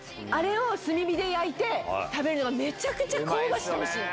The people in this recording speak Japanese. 炭火で焼いて食べるのがめちゃくちゃ香ばしくおいしい。